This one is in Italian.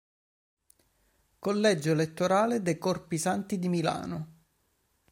Collegio elettorale di Corpi Santi di Milano